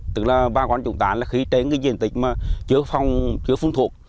tức là ba con chúng ta là khí trến cái diện tịch mà chứa phong chứa phun thuộc